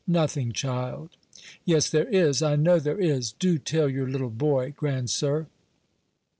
"Nothing, child." "Yes, there is; I know there is; do tell your little boy, grandsir."